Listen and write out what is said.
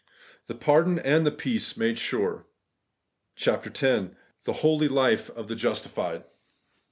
THE PARDON AND THE PEACE MADE SURE, ... .142 CHAPTER X. THE HOLY LIFE OF THE JUSTIFIED